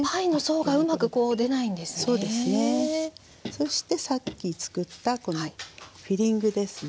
そしてさっきつくったこのフィリングですね。